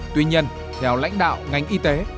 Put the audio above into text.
tuy nhiên theo lãnh đạo ngành y tế